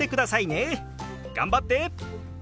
頑張って！